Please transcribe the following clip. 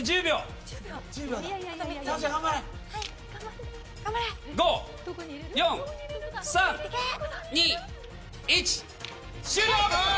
１０秒だ。